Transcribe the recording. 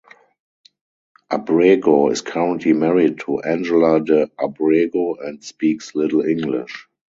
Abrego is currently married to Angela de Abrego and speaks little English.